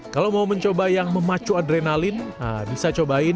kalau mau mencoba yang memacu adrenalin bisa cobain